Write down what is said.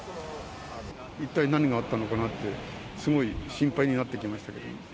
一体何があったのかなって、すごい心配になってきましたけども。